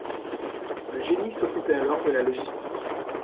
Le génie s'occupait alors de la logistique.